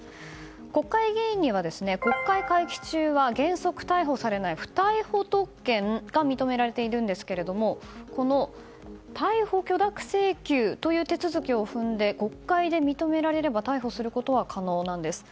国会議員には国会の会期中は原則逮捕されない不逮捕特権が認められているんですがこの逮捕許諾請求という手続きを踏んで国会で認められれば逮捕することは可能なんです。